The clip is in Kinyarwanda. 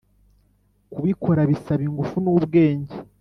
kubikora bisaba ingufu n’ubwenge,